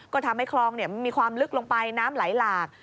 ก็ทำให้คลองมีความลึกลงไปน้ำไหลหลาก